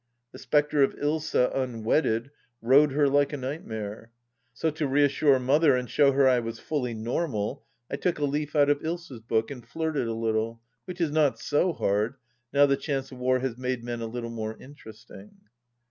The spectre of Ilsa, unwedded, rode her like a night mare. So to reassure Mother and show her I was fully normal I took a leaf out of Ilsa's book and flirted a little, which is not so hard, now the chance of war has made men a little more interesting.